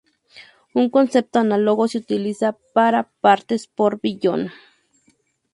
Un concepto análogo se utiliza para: "partes por billón".